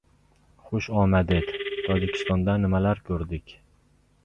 Xush omaded. Tojikistonda nimalar ko‘rdik?